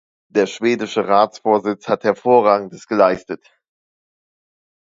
Der schwedische Ratsvorsitz hat Hervorragendes geleistet.